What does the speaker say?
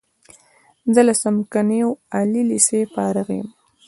زه له څمکنیو عالی لیسې فارغ یم.